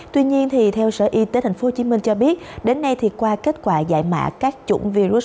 tuy nhiên theo sở y tế tp hcm cho biết đến nay thì qua kết quả giải mã các chủng virus